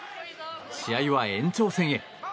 試合は延長戦へ。